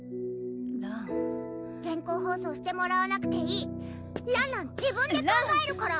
らん全校放送してもらわなくていいらんらん自分で考えるから！